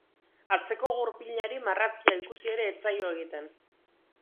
Atzeko gurpilari marrazkia ikusi ere ez zaio egiten.